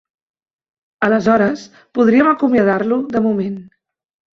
Aleshores, podríem acomiadar-lo de moment.